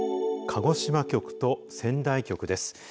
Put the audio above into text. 鹿児島局と仙台局です。